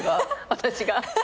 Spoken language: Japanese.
私が。